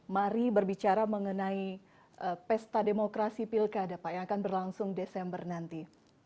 mari berbicara mengenai pesta demokrasi pilkada pak yang akan berlangsung desember nanti